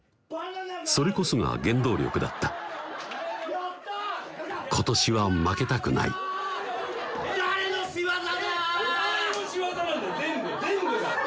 それこそが原動力だった今年は負けたくない誰の仕業だ！